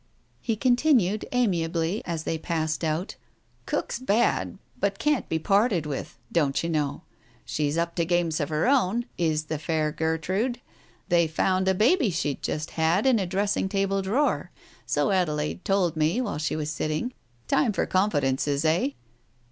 He continued amiably as they passed out — "Cook's bad, but can't be parted with, don't you know? She's up to games of her own, is the fair Gertrude. They found a baby she'd just had in a dressing table drawer, so Adelaide told me while she was sitting. Time for confidences, eh